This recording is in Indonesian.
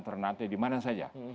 ternate dimana saja